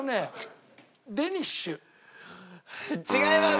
違います！